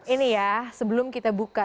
ini ya sebelum kita buka